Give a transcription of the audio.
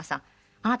「あなた